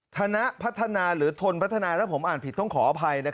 ธนพัฒนาหรือทนพัฒนาถ้าผมอ่านผิดต้องขออภัย